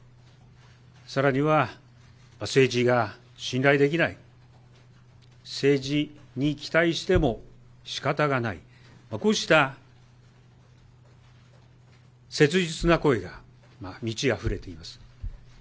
さらには、政治が信頼できない、政治に期待してもしかたがない、こうした切実な声が満ちあふれています。